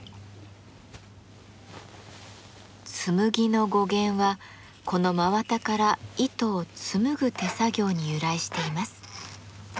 「紬」の語源はこの真綿から糸を紡ぐ手作業に由来しています。